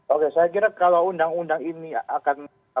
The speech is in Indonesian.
oke saya kira kalau undang undang ini akan